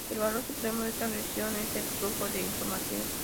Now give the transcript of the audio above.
El valor supremo de esta religión es el "flujo de información".